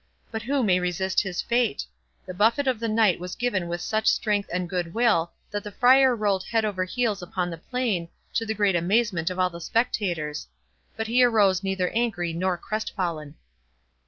But who may resist his fate? The buffet of the Knight was given with such strength and good will, that the Friar rolled head over heels upon the plain, to the great amazement of all the spectators. But he arose neither angry nor crestfallen.